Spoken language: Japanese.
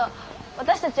私たち